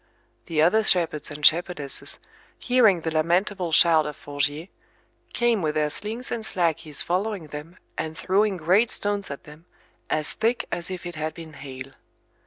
The other shepherds and shepherdesses, hearing the lamentable shout of Forgier, came with their slings and slackies following them, and throwing great stones at them, as thick as if it had been hail.